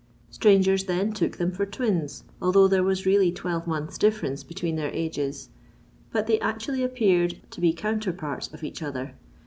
Strangers then took them for twins, although there was really twelve months' difference between their ages. But they actually appeared to be counterparts of each other.